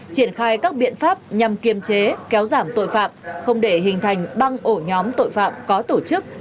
triển khai các biện pháp nhằm kiềm chế kéo giảm tội phạm không để hình thành băng ổ nhóm tội phạm có tổ chức